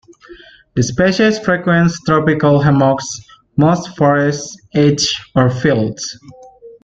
The species frequents tropical hammocks, moist forests, edges, or fields.